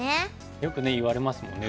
よくいわれますもんね